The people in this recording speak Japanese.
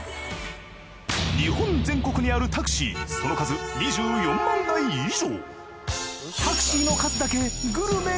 日本全国にあるタクシーその数２４万台以上。